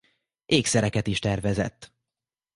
Ékszereket is tervezett.